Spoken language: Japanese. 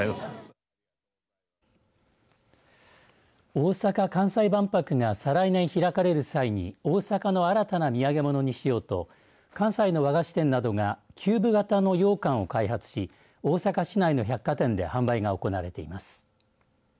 大阪・関西万博が再来年開かれる際に大阪の新たな土産物にしようと関西の和菓子店などがキューブ型のようかんを開発し大阪市内の百貨店で販売が行われています。